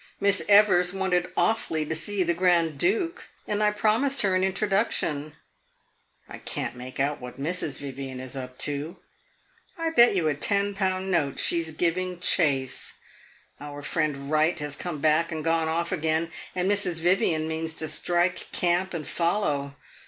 Miss Evers wanted awfully to see the Grand Duke, and I promised her an introduction. I can't make out what Mrs. Vivian is up to. I bet you a ten pound note she 's giving chase. Our friend Wright has come back and gone off again, and Mrs. Vivian means to strike camp and follow.